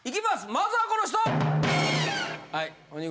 まずはこの人！